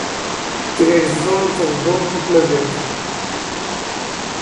It is in the central part of the state.